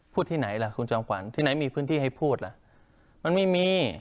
ที่ไหนล่ะคุณจอมขวัญที่ไหนมีพื้นที่ให้พูดล่ะมันไม่มี